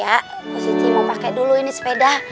ya positi mau pake dulu ini sepeda